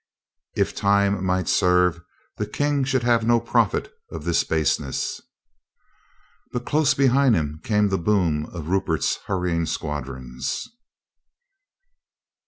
If time might serve, the King should have no profit of this baseness. But close behind came the boom of Rupert's hur rying squadrons.